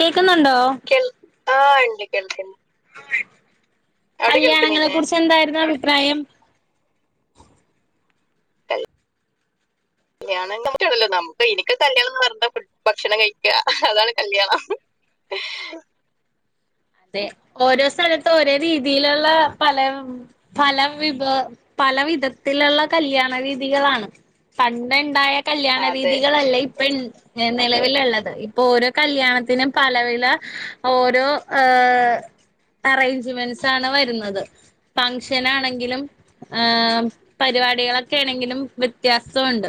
കേക്കുന്നുണ്ടോ കേൾ ആഹ് ണ്ട് കേക്കണ്ട് കല്യാണങ്ങളെ കേൾക്കുന്നില്ലേ കുറിച്ച് എന്തായിരുന്നു അഭിപ്രായം [inaudible] [inaudible] നമുക്കറിയില്ല നമുക്ക് എനിക്ക് കല്യാണം എന്ന് പറഞ്ഞ് ഭക്ഷണം കഴിക്ക അതാണ് കല്യാണം [inaudible] അതെ ഓരോ സ്ഥലത്ത് ഓരോ രീതിയിലുള്ള പല പല വിഭ പല വിധത്തിലുള്ള കല്യാണ രീതികളാണ് പണ്ട് ഇണ്ടായ കല്യാണ അതെ രീതികളല്ലേ നെലവിലുള്ളത് ഇപ്പൊ ഓരോ കല്യാണത്തിന് പലവില ഓരോ ആഹ് അറേഞ്ച്മെന്റ്സ് ആണ് വരുന്നത് ഫംഗഷൻ ആണെങ്കിലും ആഹ് പരിപാടികളൊക്കെ ആണെങ്കിലും വ്യത്യാസം ഒണ്ട്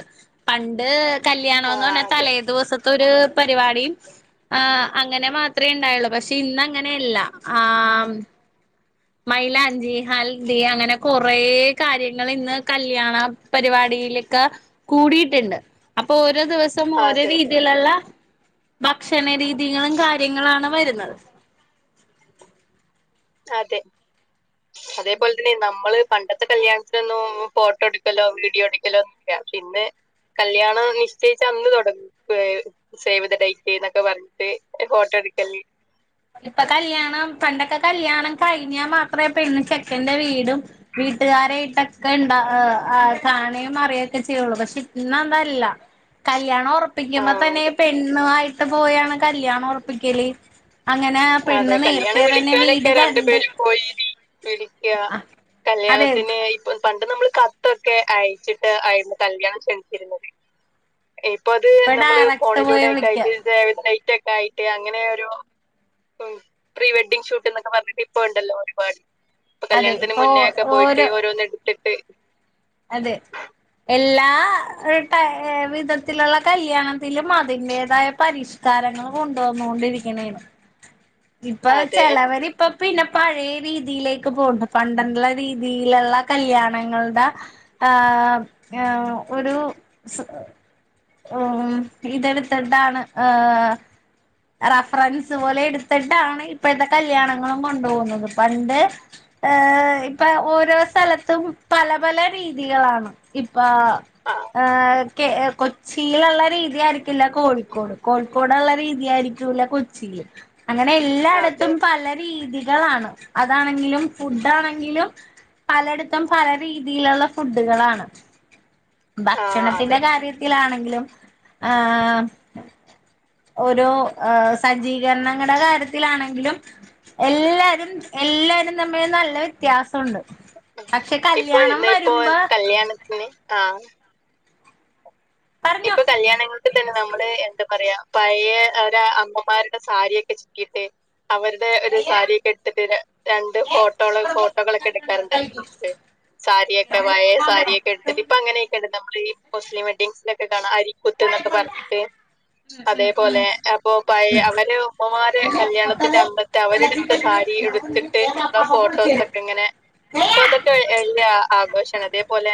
പണ്ട് കല്യാണണംന്ന് ആഹ് പറഞ്ഞാ അതെ തലേ ദിവസം ഒരു പരിപാടിയും ആഹ് അങ്ങനെ മാത്രമേ ഉണ്ടായുള്ളൂ പക്ഷെ ഇന്ന് ഇല്ല ആഹ് മൈലാഞ്ചി ഹൽദി അങ്ങനെ കൊറേ കാര്യങ്ങളിന്ന് കല്യാണ പരിപാടിയിലക്ക കൂടിയിട്ടുണ്ട് അപ്പൊ ഓരോ ദിവസ ഓരോ അതെ രീതിയിലുള്ള ഭക്ഷണ രീതികളും കാര്യങ്ങളാണ് വരുന്നത് അതെ [inaudible] അതേപോലെ തന്നെ നമ്മള് പണ്ടത്തെ കല്യാണത്തിനൊന്നും ഫോട്ടോ എടുക്കലോ വീഡിയോ എടുക്കലോ ഇല്ല പിന്നെ കല്യാണം നിശ്ചയിച്ച അന്ന് തൊടക്കുവേ സേവ്ത ഡേറ്റ് എന്നൊക്കെ പറഞ്ഞിട്ട് ഒരു ഫോട്ടോ എടുക്കല് ഇപ്പൊ കല്ല്യാണം പണ്ടൊക്കെ കല്യാണം കഴിഞ്ഞാൽ മാത്രെ പെണ്ണ് ചെക്കൻന്റെ വീടും വീട്ടുകാരായിട്ടൊക്കെ ഇണ്ടാ കാണയും അറിയൊക്കെ ചെയ്യുള്ളൂ പക്ഷെ ഇന്ന് അതല്ല കല്ല്യാണം ഒറപ്പിക്കുമ്പോ ആഹ് അതെ തന്നെ പെണ്ണുവായിട്ട് പോയാണ് കല്യാണം ഒറപ്പിക്കല് അതെ കല്യാണം വീട് വിളിക്കാനൊക്കെ രണ്ടു കണ്ട് പേര് പോയിന് പിടിക്ക അതെ കല്യാണത്തിന് പണ്ട് നമ്മള് കത്തൊക്കെ അയച്ചിട്ട് ആയിരുന്നു കല്യാണം ക്ഷണിച്ചിരുന്നത് ഇപ്പൊ അത് നമ്മള് ഡയറക്ട് പോയി ഫോണിലൂടെ ഒക്കെ വിളിക്ക ആയിട്ട് സേവ് ദ ഡൈറ്റ് ഒക്കെ ആയിട്ട് അങ്ങനെ ഒരു ഉം പ്രീ വെഡിംഗങ് ഷൂട്ട് എന്നൊക്കെ പറഞ്ഞിട്ട് ഇപ്പ ഉണ്ടല്ലോ ഒരുപാട് ഇപ്പൊ അതെ കല്യാണത്തിന് ഇപ്പൊ മുന്നേ ഒക്കെ പോയിട്ട് ഓരോ ഓരോന്ന് എടുത്തിട്ട് അതെ എല്ലാ വിധത്തിലുള്ള കല്യാണത്തിലും അതിന്റെതായ പരിഷ് കാരങ്ങള് കൊണ്ടുവന്നൊണ്ടിരിക്കണെയാണ് ഇപ്പൊ അതെ ചെലവര് ഇപ്പൊ പിന്നെ പഴയ രീതിയിലേക്ക് പോന്ന് പണ്ടുള്ള രീതിയിലുള്ള കല്യാണങ്ങളുടെ ആഹ് ആഹ് ഒരു ഉം ഇതെടുത്തിട്ടാണ് ആഹ് റഫറൻസ് പോലെ ഇടുത്തിട്ടാണ് ഇപ്പോഴത്തെ കല്യാണങ്ങളും കൊണ്ട് പോന്നത് പണ്ട് ഏഹ് ഇപ്പൊ ഓരോ സ്ഥലത്തും പല പല രീതികളാണ് ഇപ്പ ആ ഏഹ് കെ കൊച്ചിയിലുള്ള രീതിയായിരി ക്കില്ല കോഴിക്കോട് കോഴിക്കോട്ള്ള രീതിയായിരിക്കൂല്ല കൊച്ചിയില് അങ്ങനെ എല്ലായിടത്തും അതെ പല രീതികളാണ്. അതാണെങ്കിലും ഫുഡാണെങ്കിലും പലയിടത്തും പല രീതിയിലുള്ള ഫുഡുകളാണ് ആ ഭക്ഷണത്തിന്റെ അതെ കാര്യ ത്തിലാണെങ്കിലും ആഹ് ഓരോ ഏഹ് സജ്ജീകരണങ്ങടെ കാര്യത്തിലാണെങ്കിലും എല്ലാരും എല്ലാരും തമ്മില് നല്ല വ്യത്യാസുണ്ട്. ഇപ്പൊ ഇ ഇപ്പോ കല്യാണത്തിന് ആഹ് പറഞ്ഞോ ഇപ്പൊ കല്യാണങ്ങൾക്ക് തന്നെ നമ്മള് എന്താ പറയാ പഴയാ അവരെ അമ്മമാരുടെ സാരിയൊക്കെ ചുറ്റിയിട്ട് അവരു ഒരു സാരിയൊക്കെ ഇട്ടിട്ട് ര രണ്ട് ഫോട്ടോള് ഫോട്ടോകളൊക്കെ എടുക്കാറുണ്ടല്ലോലെ സാരിയൊക്കെ പയേ സാരിയൊക്കെ എടുതിട്ട് ഇപ്പൊ അങ്ങനെയൊക്കെണ്ട് നമ്മള് ഈ മുസ്ലിം വെഡ്ഡിങ്സിലക്കെ കാണാ അരീ കുത്ത് ന്നൊക്കെ പറഞ്ഞിട്ട് ഉം ഉം ഉം അതേപോലെ അപ്പൊ പയേ അവര് ഉമ്മമാരെ കല്യാണത്തിന്റെ അന്ന ട്ട് അവരെടുത്ത സാരി എടുത്തിട്ട് ഉള്ള ഫോട്ടോസൊക്കെങ്ങനെ ഇപ്പൊ അതൊക്കെ വെല്ല്യ ആഘോഷാണ് അതെ പോലെ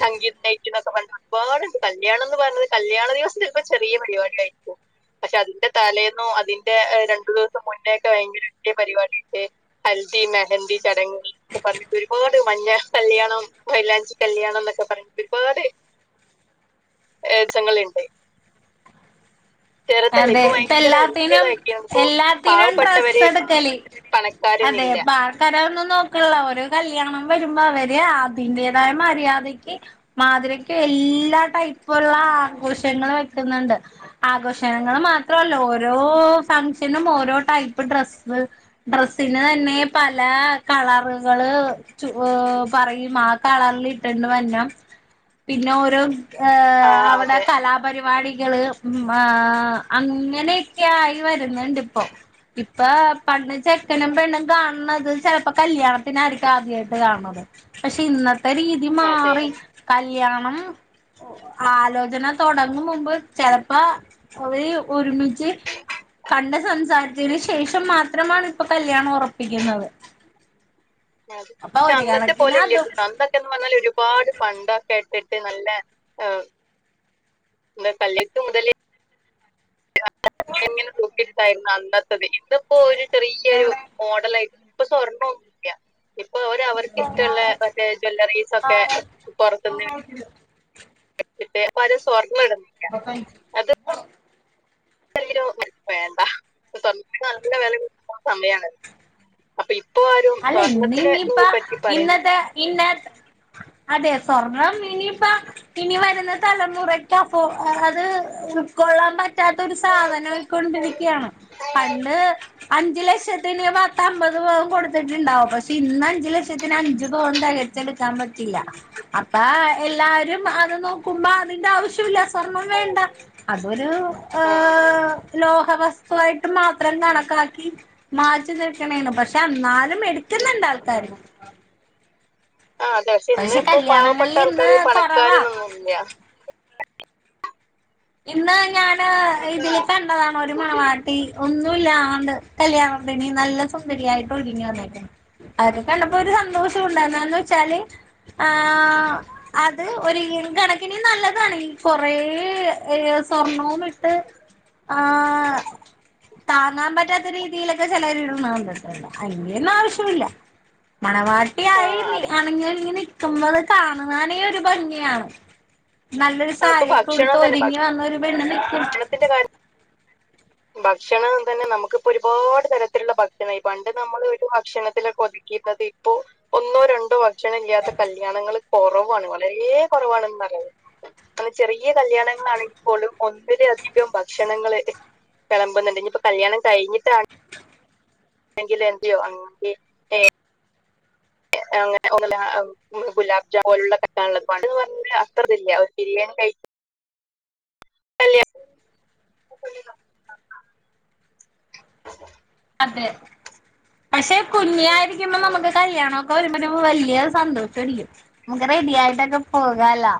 സങ്കിപൈറ്റ് ന്നൊക്കെ പറഞ്ഞിട്ട് ഒരുപാടുണ്ട് പ കല്യാണന്ന് പറഞ്ഞത് കല്യാണ ദിവസം ചെലപ്പോ ചെറിയ പരിപാടിയായിരിക്കും. പക്ഷെ അതിന്റെ തലേന്നും അതിന്റെ രണ്ടു ദിവസം മുന്നേ ഒക്കെ ഭയങ്കര വല്യേ പരിപാടിട്ട് ഹൽദി മെഹന്തി ചടങ്ങൾ ഒക്കെ പറഞ്ഞിട്ട് ഒരുപാട് മഞ്ഞ കല്യാണം മൈലാഞ്ചി കല്യാണന്നൊക്കെ പറഞ്ഞി ഒരുപാട് ഏച്ചങ്ങള്ണ്ട് ചെർതല്ലേ അതെ ഇപ്പൊ ഇപ്പ ഭയങ്കര എല്ലാത്തിനും ഒരുതൊക്കെയാണ് ഇപ്പോ എല്ലാത്തിനും ഡ്രസ്സ് പാവപ്പെട്ടവര് പണക്കാര്ന്നില്ല കരൊന്നും നോക്ക്ണില്ല ഒര് കല്യാണം വരുമ്പോ അവര് അതിന്റേതായ മര്യാദയ്ക്ക് മാധുരയ്ക്ക് എല്ലാ ടൈപ്പുള്ള ആഘോഷങ്ങള് വെക്കുന്നുണ്ട് ആഘോഷ് ഭക്ഷണങ്ങൾ മാത്രല്ല ഓരോ ഫങ്ഷനും ഓരോ ടൈപ്പ് ഡ്രസ്സ് ഡ്രസ്സിന് തന്നെ പല കളറുകള് ച്ചു ഓഹ് പറയും ആഹ് കളറിലിട്ടണ്ട് വന്നം പിന്നെ ഓരോ ഏഹ് ആഹ് അവടെ അതെ കലാപരിപാടികള് ഉം ആഹ് ആഹ് അങ്ങനെയൊക്കെ ആയി വരുന്നുണ്ടിപ്പോ ഇപ്പ പണ്ട് ചെക്കനും പെണ്ണും കാണുന്നത് ചെലപ്പോ കല്യാണ ത്തിനായിരിക്കും ആദ്യായിട്ട് കാണുന്നത് പക്ഷെ ഇന്നത്തെ രീതി അതെ മാറി കല്യാണം ആലോചന തൊടങ്ങും മുമ്പ് ചെലപ്പോ അവര് ഒരുമിച്ച് കണ്ട് സംസാരിച്ചതിന് ശേഷം മാത്രമാണ് ഇപ്പൊ കല്യാണം ഒറപ്പിക്കുന്നത്. അത് അപ്പൊ പക്ഷെ ഒരു അന്നത്തെ കണക്കിന് പോലെയല്ല അതും കണ്ട് സത്യം പറഞ്ഞാല് ഒരുപാട് പണ്ടൊക്കെട്ടിട്ട് നല്ലെ ഈഹ് ഇന്ന് കല്യാണത്ത് മുതല് ക്ഷ ഇങ്ങനെ തൂട്ടിട്ടായിരുന്നു അന്നത്തത് ഇതിപ്പോ ഒരു ചെറിയൊരു മോഡലയിട്ട് പ്പോ സ്വർണൊന്നുല്ല ഇപ്പൊ അവര് അവർക്ക് ഇഷ്ടള്ളെ മറ്റേ ജ്വല്ലറീസൊക്കെ പൊറത്തുന്ന് പണ്ടത്തെ പോലെ സ്വർണ്ണ ഇടണ് [unintelligible] വേണ്ട നല്ല വെല കിട്ട്ണ സമയാണ് അപ്പൊ ഇപ്പോ ആരും അല്ല സ്വർണത്തിനെ പറ്റി പറയു പിന്നെ അതെ സ്വർണം ഇനിയിപ്പോ ഇനി വരുന്ന തലമുറക്ക് പ്പോ അത് ഉൾക്കൊള്ളാൻ പറ്റ പറ്റാതൊരു സാധനയിക്കൊണ്ടിരിക്കയാണ് പണ്ട് അഞ്ച്ലക്ഷത്തിന് പത്തമ്പത്പവം കൊട്ത്ത് കൊട്ത്ത്ട്ട്ണ്ടാവും പക്ഷെ ഇന്ന് അഞ്ച് ലക്ഷത്തിന് അഞ്ച് പവൻ തെകച്ചടുക്കാൻ പറ്റില്ല അപ്പ എല്ലാരും അത് നോക്കുമ്പോ അതിന്റെ ആവശ്യല്ല സ്വർണം വേണ്ട അതൊര് ഉം ലോഹവസ്തുയിട്ട് മാത്രം കണക്കാക്കി മാറ്റ്നിർത്ത്ണാണ് പക്ഷെ എന്നാൽ മെടുക്കുന്ന്ണ്ട് ആൾക്കാര് ആ അതെ പക്ഷെ ഇന്ന്പ്പോ പാവപ്പെട്ട കല്യാണങ്ങളിൽ ഇന്ന് ആൾക്കാര് ഈ കൊറവാ പണക്കാര്ന്നൊന്നുല്ല്യ ഇന്ന് ഞാന് ഇതില് കണ്ടതാണ് ഒരു മണവാട്ടി ഒന്നുല്ലാണ്ട് കല്യാണത്തിന് നല്ല സുന്ദരിയായിട്ട് ഒര്ങ്ങി വന്നേക്കുന്ന് അത് കണ്ടപ്പോ ഒരു സന്തോഷു ണ്ടായിരുന്ന്വെച്ചാല് ആഹ് അത് ഒരുഈൻ കണക്കിന് നല്ലതാണ് ഈ കൊറേ ഏഹ് സ്വർണവുമിട്ട് ആഹ് താങ്ങാൻ പറ്റാത്ത രീതിയിലൊക്കെ ചെലര് ഇട്ണകണ്ടിട്ടുണ്ട് ആയിന്റെന്നാ ആവിശുല്ല്യ ആ മണവാട്ടിയായി നി അതെ അണിഞ്ഞൊരിങ്ങി നിക്കുമ്പത് കാണുവാനേ ഒരു ഭംഗിയാണ് നല്ലൊരു ആ ഇപ്പൊ സാരിയൊക്കുടുത്ത് ഭക്ഷണം തന്നെ ഒരുങ്ങി വന്നരു പെണ്ണ് നിക്ക് ഭക്ഷണത്തിന്റെ കാര്യ ഭക്ഷണം തന്നെ നമുക്ക്പ്പോഒരുപാട് തരത്തിലുള്ള ഭക്ഷണയി പണ്ട് നമ്മൾ ഒരു ഭക്ഷണത്തിലൊക്കെ ഒതുങ്ങി - ഒതുകിര് ന്നത് ഇപ്പോ ഒന്നോ രണ്ടോ ഭക്ഷണല്ല്യാത്ത കല്യാണങ്ങള് കൊറവാണ് വളരെ കൊറവാണ് പറ്ഞ്ഞത് ചെറിയ കല്യാണങ്ങളാണെങ്കി പോലും ഒന്നിലധികം ഭക്ഷണങ്ങള് വിളമ്പുന്നുണ്ട് ഇഞ്ഞിപ്പോ കല്യാണം കഴിഞ്ഞിട്ടാണങ്കില് എന്റെയോ അന്റെ അങ്ങനെഓന്ന്ലാ ആഹ് ഗുലാബ്ജാം പോലുള്ള കല്യാണള്ളത് പണ്ട് പറഞ്ഞ അത്രത്ല്ല്യ ഒര് ബിരിയാണി കഴി അ [unintelligible] അതെ പക്ഷെ കുഞ്ഞായിരിക്കുബം നമുക്ക് കല്യാണൊക്കെ വരുമ്പോ വല്ല്യ സന്തോഷയിരിക്കും നമുക്ക് റെഡി ആയിട്ടൊക്കെ പോകാലാ